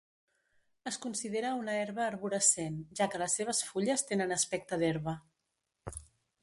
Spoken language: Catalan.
Es considera una herba arborescent, ja que les seves fulles tenen aspecte d'herba.